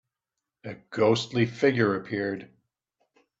A ghostly figure appeared.